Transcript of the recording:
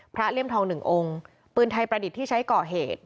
เลี่ยมทองหนึ่งองค์ปืนไทยประดิษฐ์ที่ใช้ก่อเหตุ